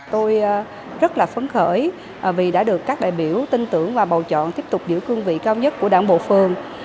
tôi rất là phấn khởi vì đã được các đại biểu tin tưởng và bầu chọn tiếp tục giữ cương vị cao nhất của đảng bộ phường